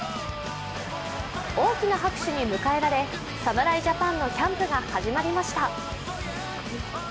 大きな拍手に迎えられ、侍ジャパンのキャンプが始まりました。